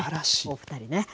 お２人ね。